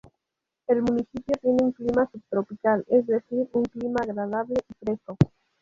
El municipio tiene un clima subtropical, es decir un clima agradable y fresco.